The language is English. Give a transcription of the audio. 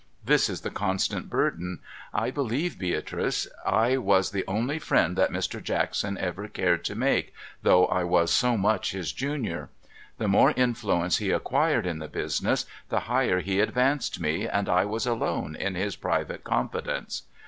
This is the constant burden :—" I believe, Beatrice, I was the only friend that Mr. Jackson ever cared to make, though I was so much his junior. The more influence he acquired in the business, the higher he advanced mc, and I was alone in his private confidence.